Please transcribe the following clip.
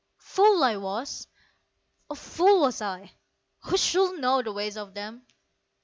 Fool I was oh, fool was I (Who should know the ways of them!)